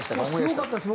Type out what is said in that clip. すごかったです